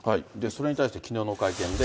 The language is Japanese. それに対して、きのうの会見で。